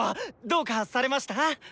どうかされました